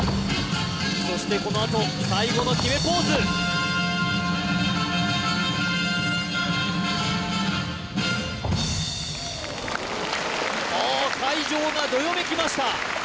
そしてこのあと最後の決めポーズおお会場がどよめきました